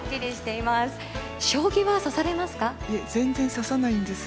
いえ全然指さないんです。